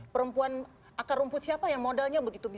perempuan akar rumput siapa yang modalnya begitu bisa